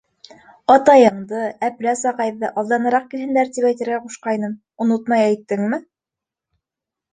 — Атайыңды, Әпләс ағайҙы алданыраҡ килһендәр тип әйтергә ҡушҡайным, онотмай әйттеңме?